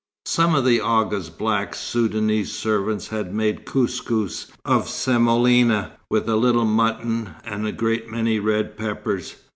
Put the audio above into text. Some of the Agha's black Soudanese servants had made kous kous of semolina with a little mutton and a great many red peppers.